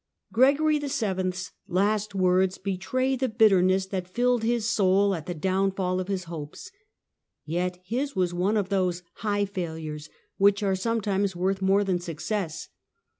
Gregory VI I. 's last words betray the bitterness that filled his soul at the downfall of his hopes. Yet his was one of those " high failures " which are sometimes worth more than success.